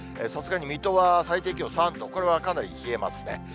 さすがに水戸は最低気温３度、これはかなり冷えますね。